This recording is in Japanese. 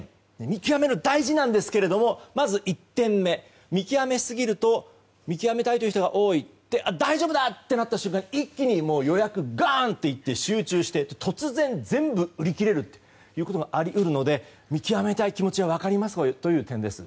見極めるのは大事なんですがまず１点目、見極めすぎると見極めたいという人が多い大丈夫だってなった瞬間に一気に予約がガーンといって集中して突然、全部売り切れるということがあり得るので見極めたい気持ちは分かりますという点です。